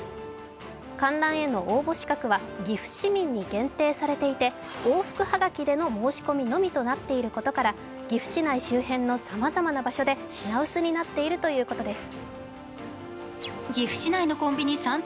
観覧への応募資格は岐阜市民に限定されていて往復はがきでの申し込みのみとなっていることから岐阜市内周辺のさまざまな場所で品薄になっているということです。